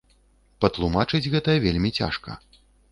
Патлумачыць гэта вельмі цяжка.